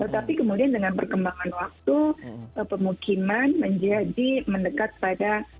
tetapi kemudian dengan perkembangan waktu pemukiman menjadi mendekat ke tempat tersebut